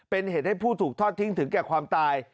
เป็นเหตุให้ผู้ถูกทอดทิ้งถึงแก่ความตาย